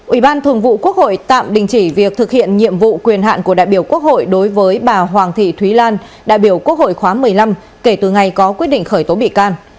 ủy ban thường vụ quốc hội tạm đình chỉ việc thực hiện nhiệm vụ quyền hạn của đại biểu quốc hội đối với bà hoàng thị thúy lan đại biểu quốc hội khóa một mươi năm kể từ ngày có quyết định khởi tố bị can